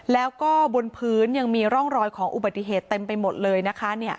แล้วก็บนพื้นยังมีร่องรอยของอุบัติเหตุเต็มไปหมดเลยนะคะ